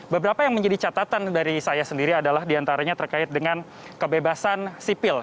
beberapa yang menjadi catatan dari saya sendiri adalah diantaranya terkait dengan kebebasan sipil